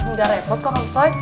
udah repot kang kusoy